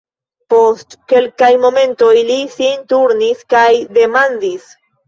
Post kelkaj momentoj li sin turnis kaj demandis: